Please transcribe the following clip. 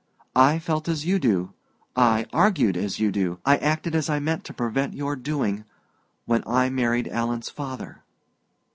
I felt as you do, I argued as you do, I acted as I mean to prevent your doing, when I married Alan's father."